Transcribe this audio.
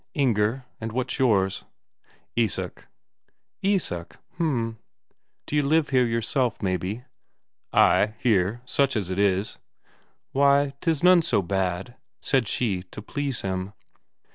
"Inger. And what's yours?" "Isak." "Isak? H'm. D'you live here yourself, maybe?" "Ay, here, such as it is." "Why, 'tis none so bad," said she to please him.